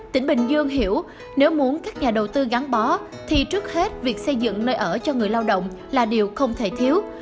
tỉnh bình dương hiểu nếu muốn các nhà đầu tư gắn bó thì trước hết việc xây dựng nơi ở cho người lao động là điều không thể thiếu